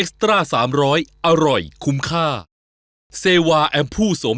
ขอบคุณครับพี่